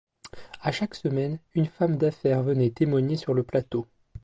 À chaque semaine, une femme d'affaires venait témoigner sur le plateau.